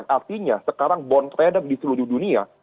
artinya sekarang bond trade di seluruh dunia